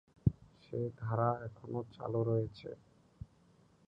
সে ধারা এখনও চালু রয়েছে।